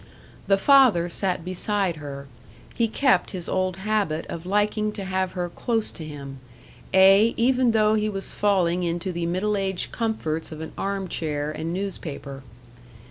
The father sat beside her; he kept his old habit of liking to have her close to him; ay, even though he was falling into the middle aged comforts of an arm chair and newspaper.